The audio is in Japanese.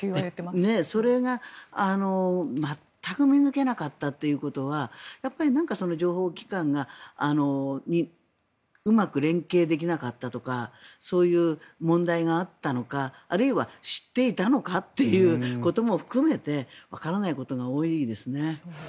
それが全く見抜けなかったということはなんか情報機関がうまく連携できなかったとかそういう問題があったのかあるいは知っていたのかということも含めてわからないことが多いですね。